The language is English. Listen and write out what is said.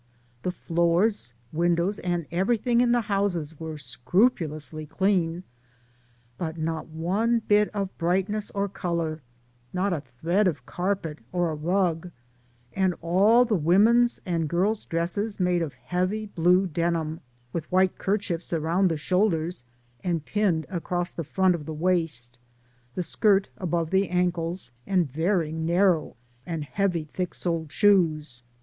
The floors, DAYS ON THE ROAD. 37 windows and everything in the houses were scrupulously clean, but not one bit of bright ness or color, not a thread of carpet, or a rug, and all the women's and girls' dresses made of heavy blue denim, with white kerchiefs around the shoulders and pinned across the front of the waist, the skirt above the ankles, and very narrow and heavy thick soled shoes.